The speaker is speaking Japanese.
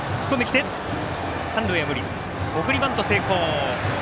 送りバント成功。